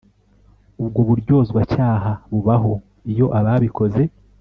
ubwo buryozwacyaha bubaho iyo ababikoze